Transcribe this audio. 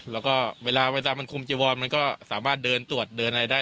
แล้วก็เวลาเวลามันคุมจีวอนมันก็สามารถเดินตรวจเดินอะไรได้